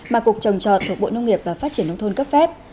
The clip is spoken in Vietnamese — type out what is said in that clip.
mà cục trồng trọt thuộc bộ nông nghiệp và phát triển nông thôn cấp phép